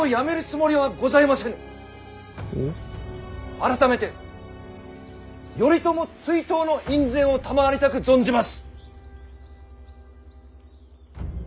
改めて頼朝追討の院宣を賜りたく存じます！